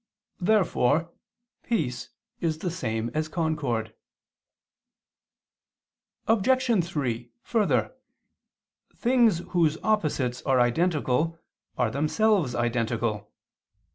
Therefore peace is the same as concord. Obj. 3: Further, things whose opposites are identical are themselves identical.